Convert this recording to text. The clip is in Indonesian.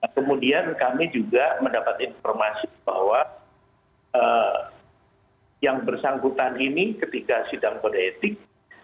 kemudian kami juga mendapat informasi bahwa yang bersangkutan ini ketika sidang kode etik